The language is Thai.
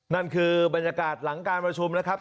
นั่นคือบรรยากาศหลังการประชุมนะครับ